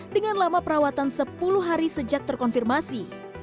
dengan lama perawatan sepuluh hari sejak terkonfirmasi